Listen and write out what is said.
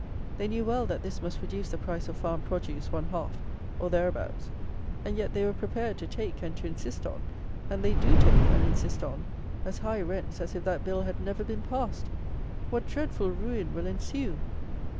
They knew well that this must reduce the price of farm produce one half, or thereabouts; and yet, they were prepared to take and to insist on, and they do take and insist on, as high rents as if that Bill had never been passed! What dreadful ruin will ensue!